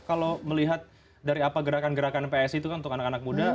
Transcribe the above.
kalau melihat dari apa gerakan gerakan psi itu kan untuk anak anak muda